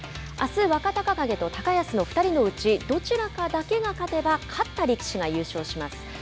あす、若隆景と高安の２人のうちどちらかだけが勝てば勝った力士が優勝します。